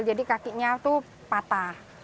jadi kakinya tuh patah